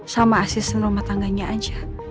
sama asisten rumah tangganya aja